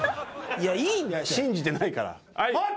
いや信じてないから。